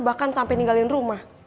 bahkan sampai ninggalin rumah